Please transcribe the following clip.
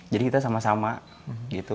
jadi kita sama sama gitu